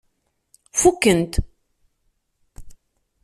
Fukent.